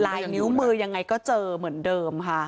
ลายนิ้วมือยังไงก็เจอเหมือนเดิมค่ะ